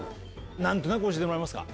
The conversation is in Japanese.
何となく教えてもらえますか？